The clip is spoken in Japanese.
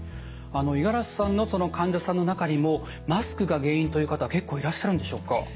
五十嵐さんの患者さんの中にもマスクが原因という方結構いらっしゃるんでしょうか？